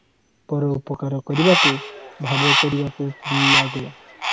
ପର ଉପକାର କରିବାକୁ, ଭାବ କରିବାକୁ ବି ଆଗ ।